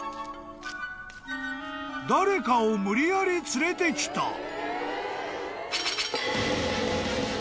［誰かを無理やり連れてきた］